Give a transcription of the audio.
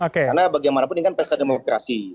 karena bagaimanapun ini kan pesat demokrasi